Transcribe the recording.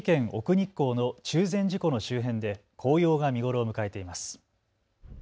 日光の中禅寺湖の周辺で紅葉が見頃を迎えています。